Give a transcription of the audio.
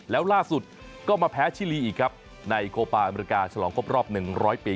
แล้วล่าสุดก็มาแพ้ชิลีอีกครับในโคปาอเมริกาฉลองครบรอบ๑๐๐ปี